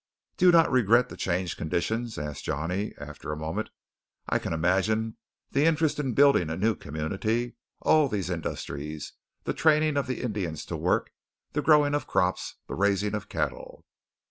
"Do you not regret the changed conditions?" asked Johnny after a moment. "I can imagine the interest in building a new community all these industries, the training of the Indians to work, the growing of crops, the raising of cattle."